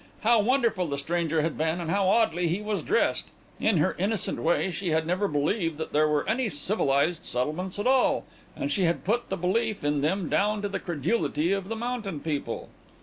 How wonderful the stranger had been and how oddly he was dressed! In her innocent way she had never believed that there were any civilized settlements at all, and she had put the belief in them down to the credulity of the mountain people.